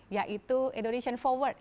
yaitu indonesian forward